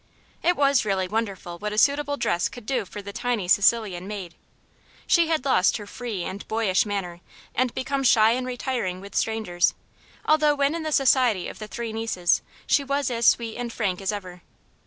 It was really wonderful what a suitable dress could do for the tiny Sicilian maid. She had lost her free and boyish manner and become shy and retiring with strangers, although when in the society of the three nieces she was as sweet and frank as ever.